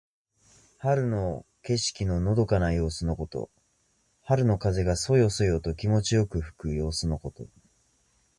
春の景色ののどかな様子のこと。春の風がそよそよと気持ちよく吹く様子のこと。